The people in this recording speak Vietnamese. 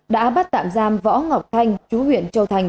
đã bắt tạm giam võ ngọc thanh chú huyện châu thành